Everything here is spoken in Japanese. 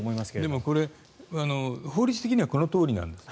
でもこれ、法律的にはこのとおりなんです。